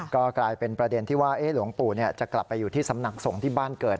ก็กลายเป็นประเด็นที่ว่าหลวงปู่จะกลับไปอยู่ที่สำนักสงฆ์ที่บ้านเกิด